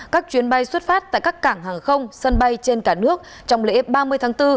các chuyến bay xuất phát tại các cảng hàng không sân bay trên cả nước trong lễ ba mươi tháng bốn